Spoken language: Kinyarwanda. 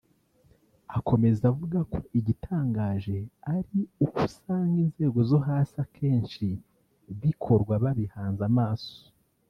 Akomeza avuga ko igitangaje ari uko usanga inzego zo hasi akenshi bikorwa babihanze amaso